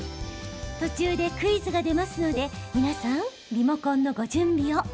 途中でクイズが出ますので皆さん、リモコンのご準備を。